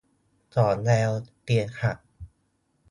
ส่อแววเตียงหัก